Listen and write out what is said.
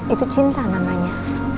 itu cinta namanya